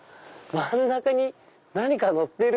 真ん中に何かのってる。